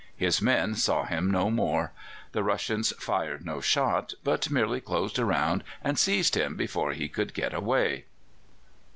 His men saw him no more. The Russians fired no shot, but merely closed round and seized him before he could get away.